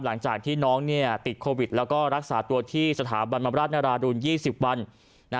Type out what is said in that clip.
หลังจากที่น้องติดโควิดแล้วก็รักษาตัวที่สถาบันบำราชนราดูล๒๐วัน